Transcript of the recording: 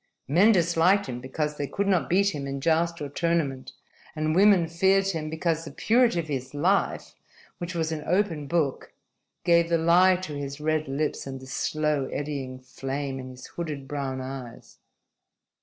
Men disliked him because they could not beat him in joust or tournament; and women feared him because the purity of his life, which was an open book, gave the lie to his red lips and the slow eddying flame in his hooded, brown eyes.